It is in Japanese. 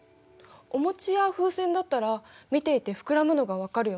お餅や風船だったら見ていて膨らむのが分かるよね。